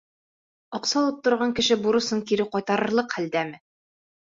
— Аҡса алып торған кеше бурысын кире ҡайтарырлыҡ хәлдәме?